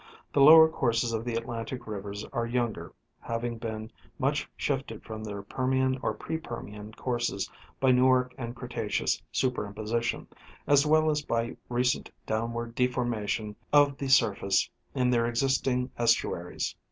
The lower courses of the Atlantic rivers are younger, having been much shifted from their Permian or pre Permian courses by Newark and Cretaceous superimposition, as well as by recent downward deformation of the surface in their existing estu aries.